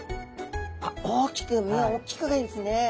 あっ大きく身はおっきくがいいですね。